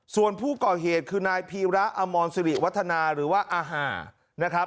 ส่วนผู้ก่อเหตุคือนายพีระอมรสิริวัฒนาหรือว่าอาหารนะครับ